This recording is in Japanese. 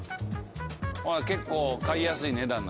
結構買いやすい値段なんや？